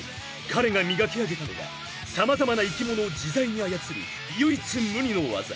彼が磨き上げたのは様々な生き物を自在に操る唯一無二の技］